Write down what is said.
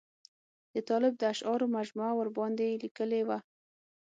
د طالب د اشعارو مجموعه ورباندې لیکلې وه.